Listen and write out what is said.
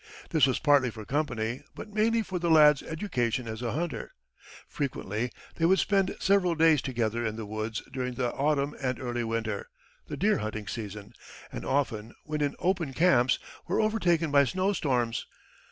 This was partly for company, but mainly for the lad's education as a hunter. Frequently they would spend several days together in the woods during the autumn and early winter the deer hunting season and often, when in "open" camps, were overtaken by snow storms.